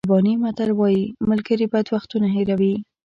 آلباني متل وایي ملګري بد وختونه هېروي.